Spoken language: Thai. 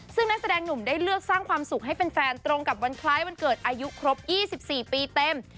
ซึ่งนักแสดงหนุ่มได้เลือกสร้างความสุขให้แฟนตรงกับวันคล้ายวันเกิดอายุครบ๒๔ปีเต็ม